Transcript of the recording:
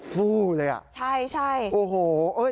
แม้มันกระจายได้มากเลย